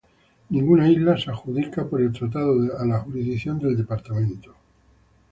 Ninguna isla fue adjudicada por el tratado a la jurisdicción del departamento.